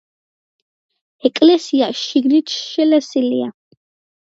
ეკლესია შიგნით შელესილია.